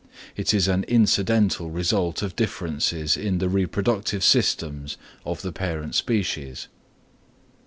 It is an incidental result of differences in the reproductive systems of the parent species.